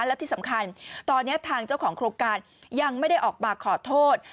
และที่สำคัญตอนนี้ทางเจ้าของโครงการยังไม่ได้ออกมาขอโทษ